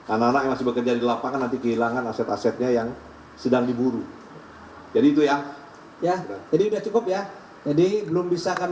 anak anak yang masih bekerja di lapangan